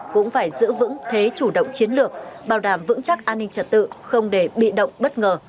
cũng phải giữ vững thế chủ động chiến lược bảo đảm vững chắc an ninh trật tự không để bị động bất ngờ